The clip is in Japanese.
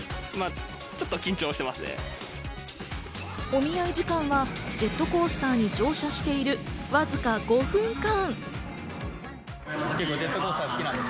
お見合い時間はジェットコースターに乗車しているわずか５分間。